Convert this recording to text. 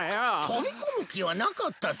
飛び込む気はなかったとな？